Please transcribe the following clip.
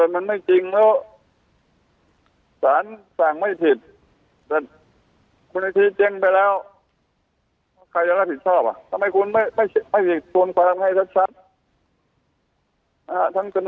มันไม่ผ่านอันนี้อ่ะอยู่ดีกันซากเขามาจน